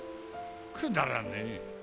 くだらねえ。